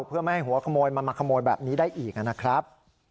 เพื่อไม่ให้หัวขโมยมันมาขโมยแบบนี้ได้อีกนะครับ